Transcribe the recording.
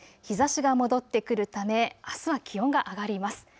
日ざしが戻ってくるためあすは気温が上がります。